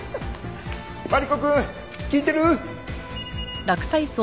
マリコくん聞いてる？